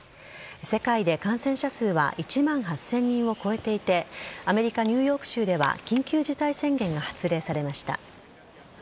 世界で感染者数は１万８０００人を超えていて、アメリカ・ニューヨーク州では、緊急事態宣言が発令されました。